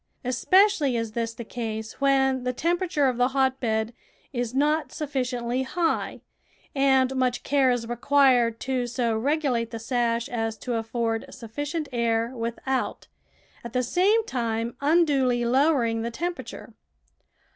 Especially is this the case when the tem THE VEGETABLE GARDEN peratiire of the hotbed is not sufficiently high, and much care is required to so regulate the sash as to afford sufficient air without at the same time unduly lowering the temperature.